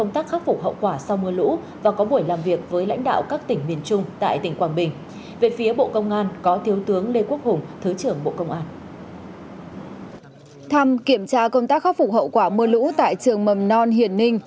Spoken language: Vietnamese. thăm kiểm tra công tác khắc phục hậu quả mưa lũ tại trường mầm non hiền ninh